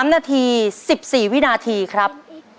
๓นาที๑๔วินาทีครับ